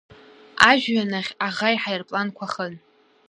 Ажәҩан ахь аӷа иҳаирпланқәа хын.